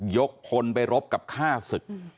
ยกคนไปรบกับฆ่าศึก